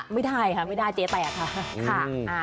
ไม่ได้ค่ะไม่ได้เจ๊แตกค่ะ